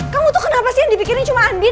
kamu tuh kenapa sih yang dipikirin cuma andin